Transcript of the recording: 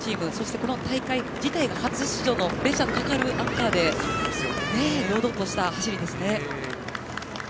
この大会自体が初出場のプレッシャーのかかるアンカーで堂々とした走りですね。